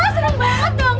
wah seru banget dong